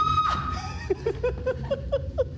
フフフフフフフ！